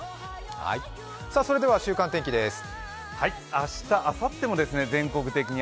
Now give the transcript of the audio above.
それでは週間天気です。